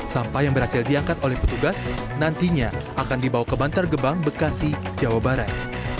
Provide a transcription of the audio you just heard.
sampah yang berhasil diangkat oleh petugas nantinya akan dibawa ke bantar gebang bekasi jawa barat